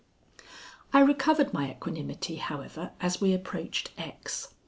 I recovered my equanimity, however, as we approached X.